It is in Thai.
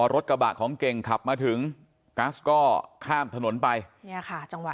รถกระบะของเก่งขับมาถึงกัสก็ข้ามถนนไปเนี่ยค่ะจังหวะ